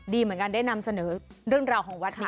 ดีเหมือนกันได้นำเสนอเรื่องราวของวัดนี้